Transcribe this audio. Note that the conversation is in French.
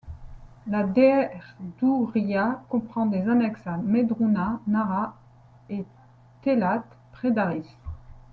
La derdouria comprend des annexes à Medrouna, Nara et Thelath près d’Arris.